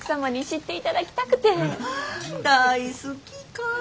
大好きかぁ。